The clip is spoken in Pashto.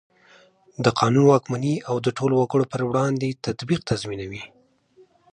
د قانون واکمني او د ټولو وګړو په وړاندې تطبیق تضمینوي.